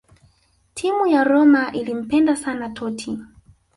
Timu ya Roma ilimpenda sana Totti